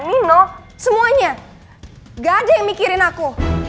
nino semuanya gak ada yang mikirin aku